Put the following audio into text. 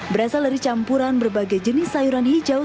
berasal dari campuran berbagai jenis sayuran hijau